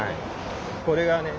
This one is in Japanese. これがね